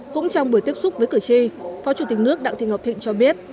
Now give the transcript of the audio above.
cũng trong buổi tiếp xúc với cử tri phó chủ tịch nước đặng thị ngọc thịnh cho biết